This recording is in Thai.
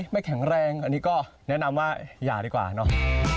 แข็งแรงอันนี้ก็แนะนำว่าอย่าดีกว่าเนาะ